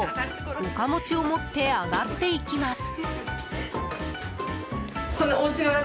おかもちを持って上がっていきます。